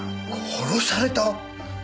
殺された！？